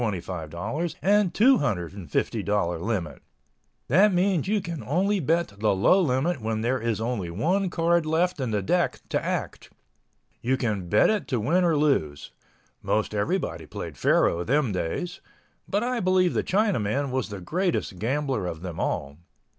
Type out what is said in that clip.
00 limit—that means you can only bet the low limit where there is only one card left in the deck to act. You can bet it to win or lose. Most everybody played faro them days—but I believe the Chinaman was the greatest gambler of them all.